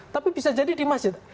tapi bisa jadi di masjid